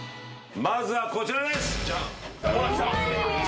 まずはこちらです。